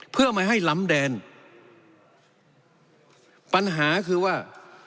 เพื่อไม่ให้ล้ำแดนปัญหาคือว่า